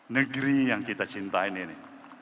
negeri yang kita cintai ini